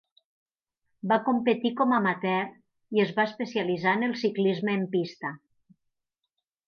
Va competir com amateur i es va especialitzar en el ciclisme en pista.